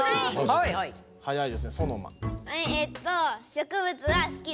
はいはいはい。